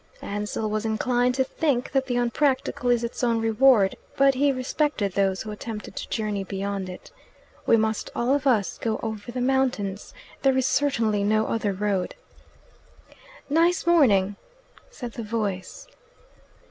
Ansell was inclined to think that the unpractical is its own reward, but he respected those who attempted to journey beyond it. We must all of us go over the mountains. There is certainly no other road. "Nice morning!" said the voice.